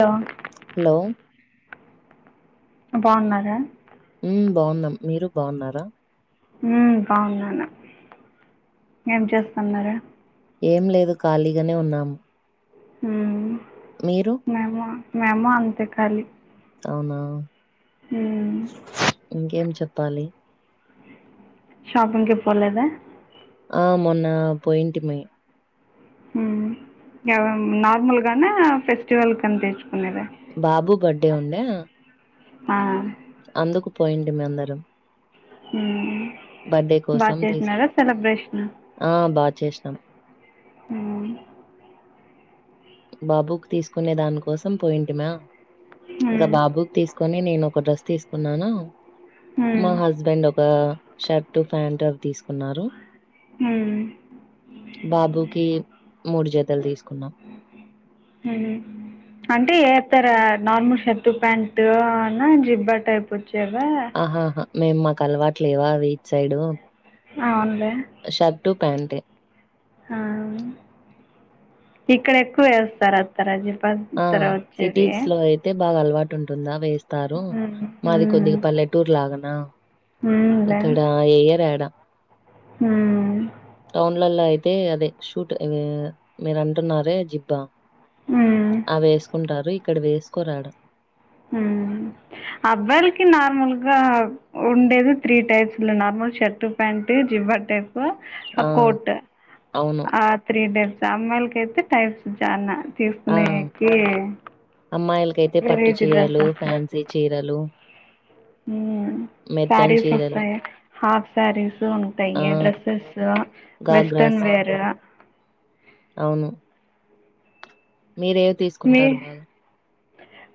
Hello hello బాగున్నారా మ్మ్ బావున్నాం మీరు బావున్నారా మ్మ్ బాగున్నాను ఏం చేస్తున్నారు ఏం లేదు ఖాళీగానే ఉన్నాం మ్మ్ మేమో మేమో అంతే కాలీ అవునా మ్మ్ తెప్పాలి షాపింగ్కి పోలేదా ఆ మొన్న పోయింటిమే ఊ ఆ నార్మల్గానే ఫెస్టివల్ అని తెచ్చుకునేద బాబు బర్త్డే ఉండే ఆ అందుకు పోయింటిమి అందరం ఊ బర్డే కోసం తీసుకు ఆ బాగా చేసినాం ఊ బాబుకి తీసుకునే దాని కోసం పోయింటిమా ఇంకా మ్మ్ బాబుకి తీసుకొని నేను ఒక డ్రెస్ తీసుకున్నాను మా మ్మ్ హస్బెండ్ ఒక షర్ట్ ప్యాంట్ అవి తీసుకున్నారు మ్మ్ బాబుకి మూడు జతలు తీసుకున్నాం ఊ అంటే ఏతర నార్మల్ షర్టు ప్యాంట్ అన్నా జిబ్బా టైప్ వ ఆహాహా మేము మాకు అలవాట్లే వాది ఇట్ సైడు అవును షర్ట్ ప్యాన్ట్ ఏ ఆ ఇక్కడ ఎక్కువ వేస్తారు అక్క రజిత్ ఆ సిటీస్ లో అయితే బాగా అలవాటు ఉంటుందా వేస్ స్తారు మాది ఉమ్ కొద్దిగా పల్లెటూరు లాగానా ఉమ్లే ఇక్కడ ఏయర ఆడ ఉమ్ టౌన్లలయితే అయితే అదే షూట్ మీరు అంటున్నారే జిబ్బా ఉమ్ ఆ వేసుకుంటారు ఇక్కడ వేసుకోరాడ అబ్బాయిలకి నార్మల్గా ఉండేది త్రీ టైప్స్ లో నార్మల్ షర్ట్ ప్యాంట్ జిబా టైప్ ఆ! కోట్ అవును. ఆ త్రీ టైప్ అమ్మాయిలకి అయితే టైప్స్ చానా ఆ! తీసుకునేకి అమ్మాయిలకైతే పట్టు వెరైటీ చీరలు ఫ్యాన్సీ చీరలు ఊ మెత్తని సారి చీరలు, సొస్తయి హాఫ్ శారీస్ ఆ! ఉంటాయి డ్రెస్సెస్ వెస్ట్రన్ గాగ్రాస్ వేర్ అవును మీరేవి నే తీసుకుంటారు బాగా?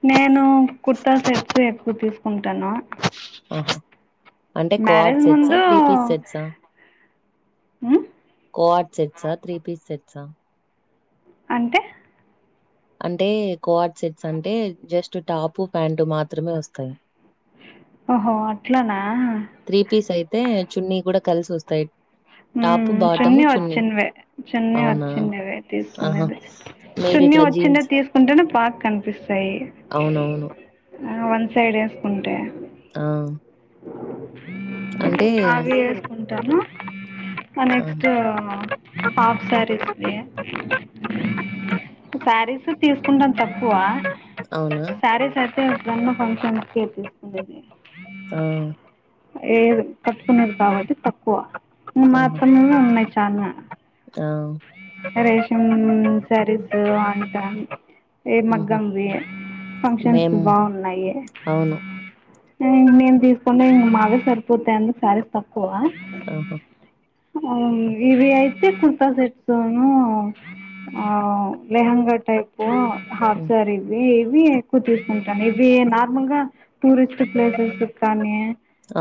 నేను కుర్త సెట్స్ ఎకు తీస్ ఉంటాను ఆహా అంటే కడ్ సెట్సా త్రీ పీస్ సెట్సా ఊ కో ఆట్ సెట్స త్రీ పీస్ సెట్సా అంటే అంటే కో ఆట్ సెట్స్ అంటే జస్ట్ టాపు ప్యాంటు మాత్రమే వస్తాయి. ఓహో అట్ల నా త్రీ పీస్ అయితే చున్నీ కూడా కలిసి వస్తయ్. హ్మ్ చున్నీ వచ్చినవే చున్నీ అవునా? వచ్చినవే ఆహా! తీసుకునేది. చున్నీ మీరిట్లా వచ్చింది జీన్స్ తీసుకుంటేనే బాగ్ కనిపిస్తాయి అవునవును. ఆ వన్ సైడ్ వేసుకుంటే ఆ అంటే డ్రామూ ఆ నెక్స్టూ హాఫ్ సారీస్ వే సారీసు తీసుకుంటాం తక్కువా అవునా కే ఎప్పుడన్న ఫంక్షన్స్ కి తీసుకునేది. ఆ ఏయదు కట్టుకునేది దావత్ కి తక్కువా ఇ ఆహా! అత్తమ్మయే ఉన్నయ్ చానా. ఆ డెకరేషన్న్ శారీసూ అంటాద్ ఏ హుహు. మగ్గంవీ ఫంక్షన్స్ కి మేము బాగున్నాయి. అవును. నేను నేన్ తీసుకునేవి ఇంగ మావి సరిపోతాయని శారీస్ తక్కువా. ఆహా! అవును వివీ అయితే కుర్తాసెట్ ట్స్ న్నూ ఆ లెహంగా టైపూ హాఫ్ హ్మ్. శారీస్ వీ ఇవీ ఎక్కువ తీసుకుంటాను ఇవీ నార్మల్ గా టూరిస్ట్ ప్లేసెస్క్ కానీ.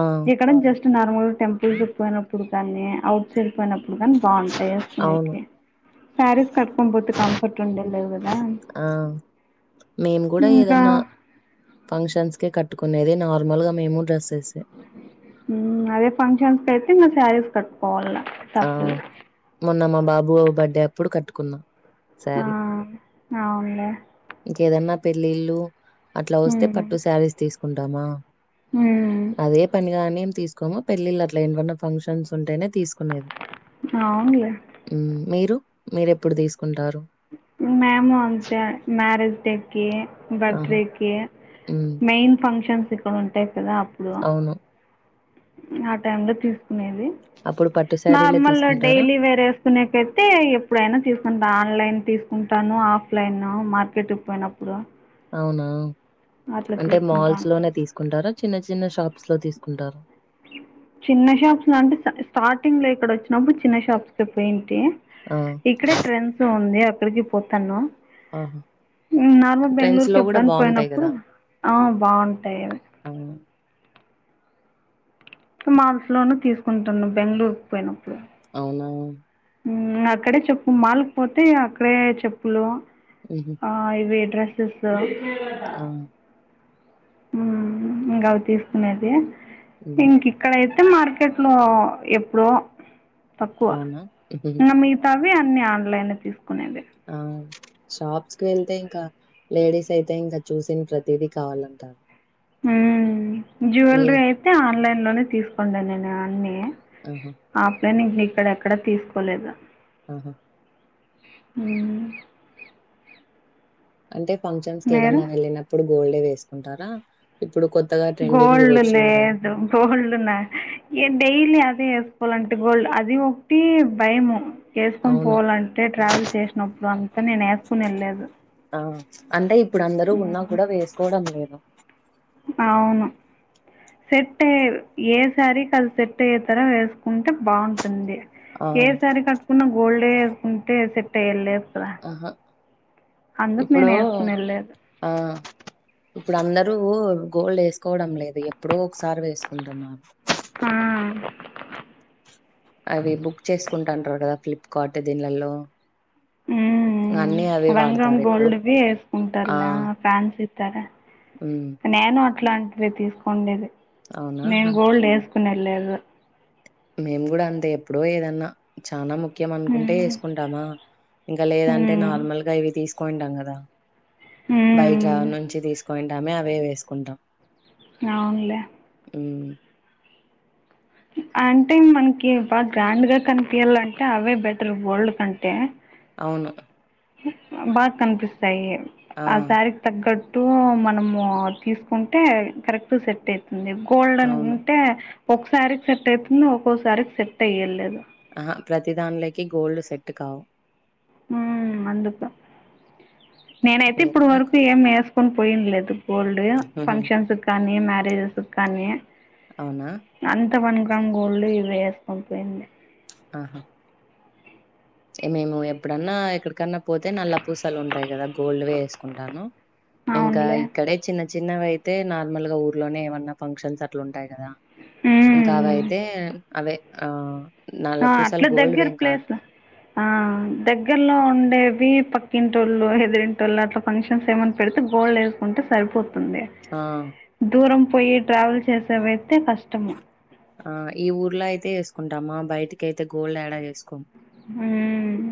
ఆ! ఎక్కడన్ జస్ట్ నార్మల్ టెంపుల్ కి పోయినప్పుడు కానీ ఔట్ సైడ్ పోయినప్పుడు కాని బాగుంటాయి. అవును. వేసుకునేటివి శారీస్ కట్టుకొనిపోతే కంఫర్ట్ ఉండ లేదు గదా. ఆ! మేము గూడా ఏదన్నా ఫంక్షన్స్ కి కట్టుకునేది నార్మల్ గా మేము డ్రెస్. హ్మ్ అదే ఫంక్షన్స్ కి ఐతే ఇంగ శారీస్ కట్. పోవల్లా తప్పదు బాబూ బర్డే అప్పుడు కట్టుకున్నా ఆ శారీ. అవును ఆ అవున్లే ఏదన్నా పెళ్ళిళ్ళూ అట్లా వస్తే ఉమ్ పట్టు శారీస్ తీసుకుంటామా. ఉమ్ అదే పనిగానేం తీసుకోము పెళ్ళిళ్ళు అట్లా ఏన్ వన్నా ఫంక్షన్స్ ఉంటేనే తీస్. కునేది అవునులే హ్మ్ మీరు మీరెప్పుడు తీసుకుంటారు. మేము అంతే మ్యారేజ్ డేకీ బర్త్ ఆహా! డేకీ. హ్మ్. మెయిన్ ఫంక్షన్స్ ఇక్కడ ఉంటాయి కదా అప్పుడూ. అవును. ఆ టైమ్ లో తీస్ కునేది అప్పుడు పట్టు శారీలే నార్మల్ల తీసుకుంటారా? డైలీ వేర్ ఏసుకునేకైతే ఎప్పుడైనా తీసుకుంటా ఆన్ ఆన్లైన్ తీసుకుంటాను ఆఫ్లైన్ మార్కెట్కి పోయినప్పుడు. అవునా అట్లా అంటే తీసుకుంటూ మాల్స్ ఉంటాను లోనే తీసుకుంటారా చిన్న చిన్న షాప్స్ లో తీసుకుంటారా. చిన్న షాప్స్ లో అంటే స్ స్టార్టింగ్ లో ఇక్కడ వచ్చినప్పుడు చిన్న షాప్స్ కె పోయింట్. టీ ఆ! ఇక్కడే ట్రెండ్స్ ఉంది అక్కడికి పోతాను. ఆహా నార్మల్ బెంగళూరుకి ట్రెండ్స్‌లో గూడా ఎప్పుడన్న బావుంటాయి పోయినప్పుడు గదా! ఆ బాగుంటాయి అవి. ఆ! మాల్స్ లోను తీసుకుంటాను బెంగళూరుకి పోయినప్పుడు. అవునా హ్మ్ అక్కడే చెప్పు మాలుకు పోతే అక్కడే చెప్పులూ హుహు. ఆ ఇవ్వి డ్రెస్సెసూ ఆ హ్మా ఇంకా అవి తీసుకునేది హ్మ్. ఇంక్ ఇక్కడయిత్. తే మార్కెట్లో ఎప్పుడో తక్కువ అవునా? ఇంగ మిగతా వీ అన్ని ఆన్లైన్ లో తీసు ఆవు షాప్స్ కి వెళ్తే ఇంకా లేడీస్ అయితే ఇంకా చూసిన్ ప్రతిదీ కావాలంటారు ఉమ్ మీరు జ్యువెలరీ అయితే ఆన్లైన్ లోనే తీసుకుంటా నేను అన్నీ ఆహ నేనీ ఇంక్ ఇక్కడ ఎక్కడ తీసుకోలేదు ఆహ ఉమ్ అంటే ఫంక్షన్స్ మీరు కేదన్నా వెళ్ళినప్పుడు గోల్డే వేసుకుంటారా? ఇప్పుడు కొత్తగా ట్రెండింగ్ ఇవి గోల్డ్ వచ్చినాయి కదా! లేదు గోల్డ్ నా ఏం డైలీ అ వేసుకోవలంటే గోల్డ్ అది ఒకటి భయము వేసుకొని అవును. పోవల్లంటే ట్రావెల్ చేసినప్పుడు అంతా నేను ఏస్కునేలేదు ఆ! అంటే ఇప్పుడు అందరూ ఉన్నా కూడా వేసుకోవడం లేదు అవును సెట్ అయ్యే ఏసారి కది సెట్ అయ్యే తర వేసుకుంటే బాగుంటుంది ఆ! ఏ సారీ కట్టుకున్నా గోల్డే వేసుకుంటే సెట్ అయ్యేలేద్ ఆహ ఇప్పుడు నేను వేసుకుని వెళ్ళలేదు ఆ ఇప్పుడు అందర్ రూ గోల్డ్ వేసుకోవడం లేదు ఎప్పుడో ఒకసారి వేసుకుంటున్నారు ఆ అవి బుక్ చేసుకుంటుంటారు కదా ఫ్లిప్కార్ట్ దీన్లలో ఉమ్ రంగం ఎక్కువ. గోల్డ్వి ఆ! వేసుకుంటర్లా ఫ్యాన్సీ తర హ్మ్. నేను అట్లాంటిది తీసుకోండేది అవునా నేన్ గోల్డ్ వేస్ కునేలేదు మేం కూడా అంతే ఎప్పుడో ఏదన్నా చానా ము ముఖ్యం అనుకుంటే ఉమ్ వేసుకుంటామా ఇంకా లేదంటే ఉమ్ నార్మల్గా ఇవి తీసుకోంటాం కదా బైజా ఉమ్ నుంచి తీసుకోంటామే అవే వేస్కుంటాం అవున్లే ఉమ్ అంటే మన్కి బాగా గ్రాండ్ గా కనిపియ్యాలంటే అవే బెటర్ గోల్డ్ కంటే అవును బాగ్కనిపిస్తాయి ఆ సారీ క్ తగ్గట్ మనము తీసుకుంటే కరెక్ట్ సెట్ అయితుంది గోల్డె అవును అంటే ఒక్కసారికి సెట్ అయితుంది ఒక్కొసారికి సెట్ అయ్యేలేదు ఆహ ప్రతిదాన్లేకి గోల్డ్ సెట్ కావు ఉమ్ అందుకు నేనైతే ఇప్పుడు ఏదన్నా వరకు ఏం వేస్ కొన్ పోయిండ్లేదు గోల్డ్ ఉహు ఫంక్షన్సు కానీ మ్యారెజస్ కానీ అవ్ నా ఇంత వన్ గ్రామ్ గోల్డ్ ఇవి వేసుకొన్ పొయింది ఆహ ఇగ మేము ఎప్పుడన్నా ఎక్కడ కన్నా పోతే నల్ల పూసలు ఉంటాయ్ కదా గోల్డ్వే వేసుకుంటాను ఇంకా అవునులే ఇక్కడే చిన్న చిన్నవైతే నార్మల్ గా ఊర్లోనే ఏమన్నా ఫంక్షన్స్ అట్ల ఉంటాయ్ కదా ఇంకా ఉమ్. అవైతే అవే ఆ నల్ల ఆ పూసలు అట్ల గోల్డ్‌వేం దెగ్గర్ ఏం కాదు. ప్లేస్ ల ఆ దగ్గర్లో ఉండేవి పక్కింటోళ్ళు, హెదిరింటోళ్ళు అట్ల ఫంక్షన్స్ ఏమన్ గోల్డ్ వేసుకుంటే సరిపోతుంది. ఆ! దూరం పొయ్యి ట్రావెల్ చేసేవై ఆ ఈ ఊర్లో అయితే వేసుకుంటామా బయటికి అయితే గోల్డ్ ఏడా ఏసుకోం ఉమ్మ్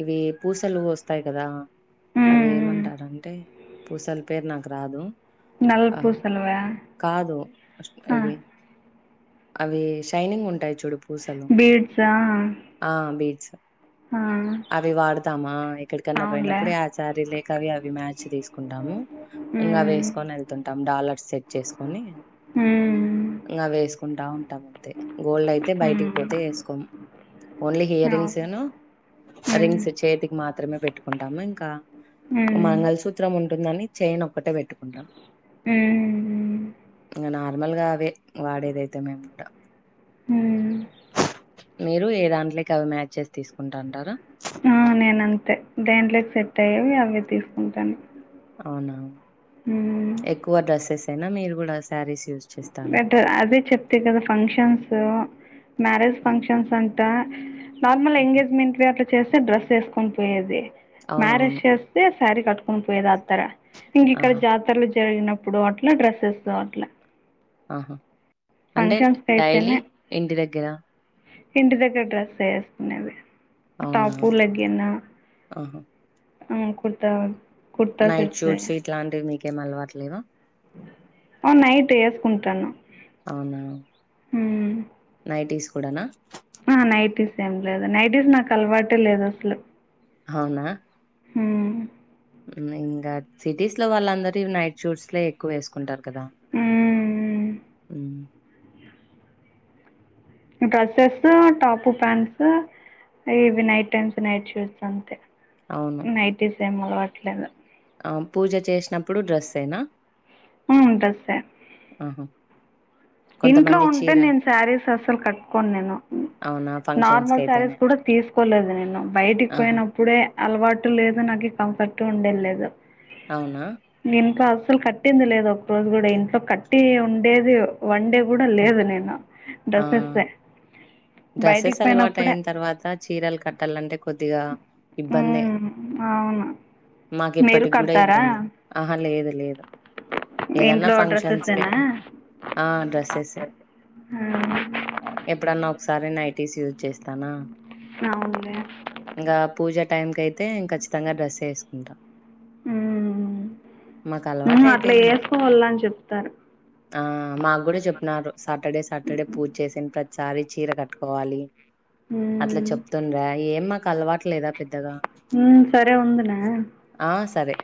ఇవి పూసలు వొస్తాయి కదా అవి ఉమ్. ఏమంటారంటే పూసల పేరు నాకు రాదు నల్ల ఆ పూసలువా కాదు ఇది అవి షైనింగ్ ఉంటాయి చూడు పూసలు ఆ బీట్స్ ఆ అవి వాడతామా ఎక్కడికన్నా పోయినప్పుడే ఆచారీ లేక అవి అవి మ్యాచ్ తీసుకుంటాము ఇంగ మ్మ్ అవేసుకొని ఎళ్తుంటాం డాలర్స్ సెట్ చేసుకొని ఉమ్మ్ ఇంగ అవి ఎసుకుంటా ఉంటాం అంతే గోల్డ్ అయితే మ్మ్ బయటికి పోతే ఎసుకోం ఓన్లీ హియరింగ్స్ అవును ఏనా మ్మ్ రింగ్స్ చేతికి మాత్రమే పెట్టుకుంటాము ఇంకా మ్మ్ మంగళసూత్రం ఉంటుందని చైన్ ఒక్కటే పెట్టుకుంటాం మ్మ్ ఇంగ నా నార్మల్గా అవే వాడేదైతే మేము కూడా ఉమ్మ్ మీరు ఏ దాంట్లోకి అవి మ్యాచ్ చేసి తీసుకుంటా అంటారా ఆ నేనంతే దేంట్లోకి సెట్ అయ్యేవి అవే తీసుకుంటాను అవునా మ్మ్ ఎక్కువ డ్రెస్సెసేన మీరు కూడా శారీస్ యూజ్ చేస్తారా బట్ అదే చెప్తి కదా ఫంక్షన్సూ మ్యారేజ్ ఆ! ఫంక్షన్స్ అం ట నార్మల్ హ్మ్. ఎంగేజ్మెంట్ వి అట్లా చేస్తే డ్రెస్ ఎసుకొని పోయేది మ్యారేజ్ అవునవును చేస్తే శారీ కట్టుకొని పోయేది ఆత్తర ఇంగిక్కడ ఆహా జాతరలు జరిగినప్పుడు అట్లా డ్రెస్సెస్ అట్లా ఆహా అంటే ఫంక్షన్స్కి డైలీ అయితేనే ఇంటి దగ్గర ఇంటి దగ్గర డ్రెస్సే ఏసుకునేది అవునా టాపు లేగ్గిను ఆహా అ కుడత నైట్ షూట్స్ ఇట్లాంటివి మీకేమి అలవాట్లేవా ఆ నైట్ ఏసుకుంటాను అవునా ఉమ్మ్ కుడనా ఆ నైటీస్ ఏం లేదు నైటీస్ నాకు అలవాటే లేదు అసలు అవునా ఉమ్మ్ ఇంగా సిటీస్లో వాళ్ళందరు ఇవి నైట్ షూట్స్లే ఎక్కువ ఏసుకుంటారు కదా ఉమ్మ్ డ్రెస్సెస్ టాపు ప్యాంట్స్ ఇవి నైట్ టైమ్స్ నైట్ షూట్స్ అంతే అవును నైటీస్ ఏం అలవాట్లేదు ఆ పూజ చేసినప్పుడు డ్రెస్సేనా ఉమ్మ్ డ్రెస్సే ఆహా ఇంట్లో కొంతమంది ఉంటే చీర నేను శారీస్ అసలు కట్టుకోను నేను అవునా ఫంక్షన్స్ కి నార్మల్ శారీస్ అయితేనే కూడా తీసుకోలేదు నేను బయటికి ఆహా పోయినప్పుడే అలవాటు లేదు నాకు కంఫర్ట్ ఉండేలేదు అవునా ఇంక అసలు కట్టింది లేదు ఒకరోజు కూడా ఇంట్లో కట్టి ఉండేది వన్ డే కూడా హ్మ్. లేదు నేను ఆ డ్రెస్సెస్సే బయటికి డ్రెస్సెస్ అలవాటు పోయినప్పుడే అయిన తర్వాత చీరలు కట్టాలంటే కొద్దిగా ఇబ్బందే ఉమ్, అవును మాకు మీరు ఇప్పటికి కూడా కడతారా ఇబ్బందే ఆహ లేదు ఏదన్నా ఇంట్లో ఫంక్షన్స్‌కే డ్రెస్సెసేనా ఆ డ్రెస్సెస్సే ఎప్పుడన్నా ఒకసారి నైటీస్ యూజ్ చేస్తానా అవునులే టైమ్ కయితే కచ్చితంగా డ్రస్సే ఏసుకుంటాం మాకు అలవాటు ఉమ్ అట్లా అయిపోయింది వేసుకోవాల అని చెప్ ఆ మాకు కూడా చెప్నారు సాటర్డే సాటర్డే పూజ చేసిన ప్రతి ఒకసారి చీర కట్టుకోవాలి అట్లా ఉమ్. చెప్తుండర్రు ఏ మాకు అలవాట్ లేదా పెద్దగా ఉమ్, సరే ఉందునా ఆ సరే